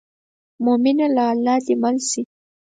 مومنه له الله دې مل شي.